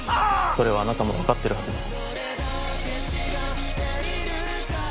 それはあなたもわかってるはずです。